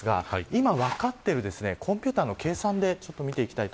今、分かっているコンピューターの計算で見ていきます。